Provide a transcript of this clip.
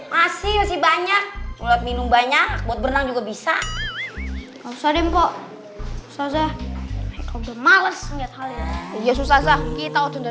masih banyak minum banyak buat berenang juga bisa kalau tadi mbok saza males iya susah kita udah